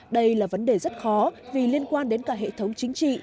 đây là vấn đề rất khó vì liên quan đến cả hệ thống chính trị